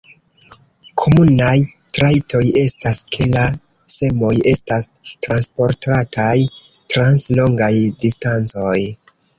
Komunaj trajtoj estas, ke la semoj estas transportataj trans longaj distancoj.